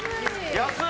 安い！